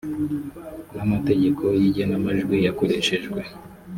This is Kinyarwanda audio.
n amategeko y igenamajwi yakoreshejwe